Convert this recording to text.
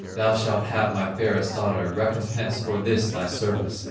Thou shalt have my fairest daughter, Recompense for this thy service."